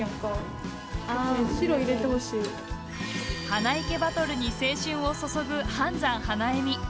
花いけバトルに青春を注ぐ「飯山花笑み」。